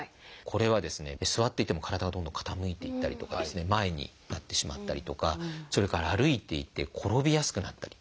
これはですね座っていても体がどんどん傾いていったりとか前になってしまったりとかそれから歩いていて転びやすくなったり。